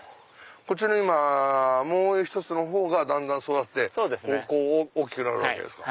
こっちのもう１つのほうがだんだん育って大きくなるわけですか。